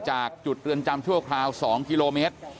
จากจุดเรือนจำชั่วคราว๒กิโลเมตร